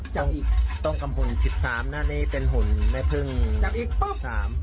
ตรงตรงกับหุ่น๑๓นั่นนี่เป็นหุ่นแม่พึ่ง๓จับอีกป๊อบ